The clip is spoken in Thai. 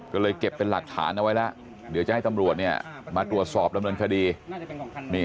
ก็เลยเก็บเป็นหลักฐานเอาไว้แล้วเดี๋ยวจะให้ตำรวจเนี่ยมาตรวจสอบดำเนินคดี